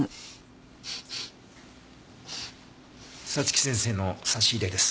早月先生の差し入れです。